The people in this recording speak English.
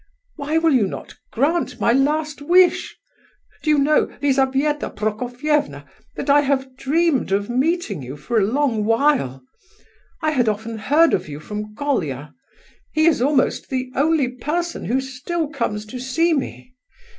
Why will you not grant my last wish? Do you know, Lizabetha Prokofievna, that I have dreamed of meeting you for a long while? I had often heard of you from Colia; he is almost the only person who still comes to see me.